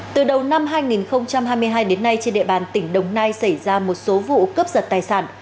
từ đầu năm hai nghìn hai mươi hai đến nay trên địa bàn tỉnh đồng nai xảy ra một số vụ cướp giật tài sản